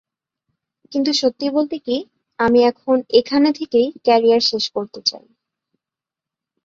কিন্তু সত্যি বলতে কি, আমি এখন এখানে থেকেই ক্যারিয়ার শেষ করতে চাই।